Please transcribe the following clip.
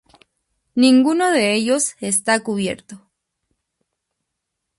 Ninguno de ellos está cubierto.